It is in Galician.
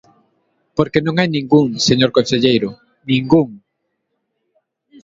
Porque non hai ningún, señor conselleiro, ¡ningún!